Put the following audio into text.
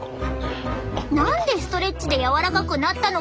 何でストレッチで柔らかくなったのか。